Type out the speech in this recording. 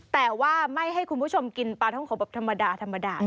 แต่ว่าไม่ให้คุณผู้ชมกินปลาท่องขบแบบธรรมดาธรรมดา